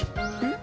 ん？